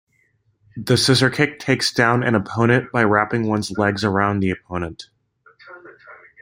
The scissor kick takes down an opponent by wrapping one's legs around the opponent.